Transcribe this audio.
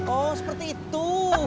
oh seperti itu